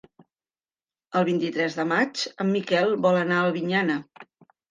El vint-i-tres de maig en Miquel vol anar a Albinyana.